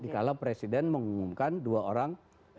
dikala presiden mengumumkan dua orang